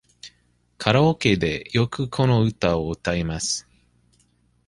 カラオケでよくこの歌を歌います。